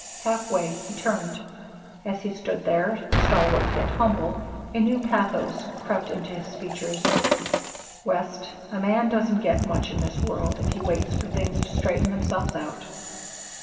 Halfway he turned. As he stood there, stalwart yet humble, a new pathos crept into his features. "West, a man doesn't get much in this world if he waits for things to straighten themselves out.